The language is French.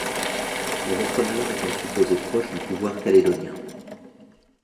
Les repreneurs étant supposés proches du pouvoir calédonien.